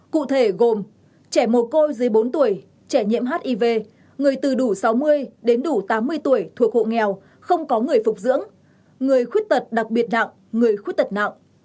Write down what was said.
cụ thể gồm trẻ mồ côi dưới bốn tuổi trẻ nhiễm hiv người từ đủ sáu mươi đến đủ tám mươi tuổi thuộc hộ nghèo không có người phục dưỡng người khuyết tật đặc biệt nặng người khuyết tật nặng